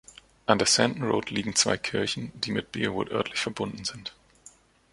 An der „Sandon Road“ liegen zwei Kirchen, die mit Bearwood örtlich verbunden sind.